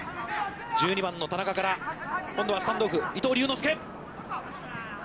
１２番の田中から、今度はスタンドオフ伊藤龍之介。